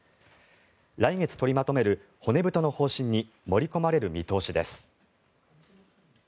来月取りまとめる骨太の方針に盛り込まれる見通しです。